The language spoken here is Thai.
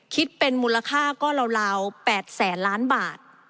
คิดเป็นมูลค่าก็ราว๘แสนล้านบาท